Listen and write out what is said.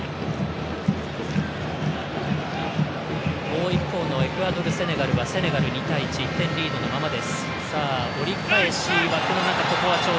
もう一方のエクアドル、セネガルはセネガル２対１１点リードのままです。